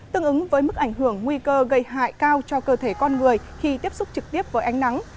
tương ứng với mức ảnh hưởng nguy cơ gây hại cao cho cơ thể con người khi tiếp xúc trực tiếp với ánh nắng